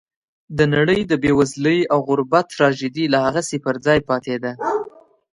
د نړۍ د بېوزلۍ او غربت تراژیدي لا هغسې پر ځای پاتې ده.